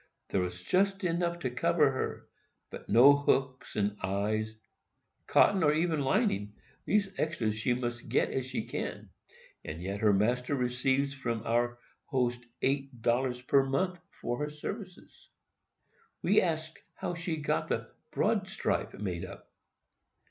There was just enough to cover her, but no hooks and eyes, cotton, or even lining; these extras she must get as she can; and yet her master receives from our host eight dollars per month for her services. We asked how she got the "broad stripe" made up.